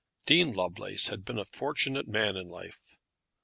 Dean Lovelace had been a fortunate man in life.